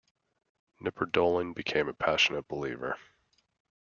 Knipperdolling became a passionate believer.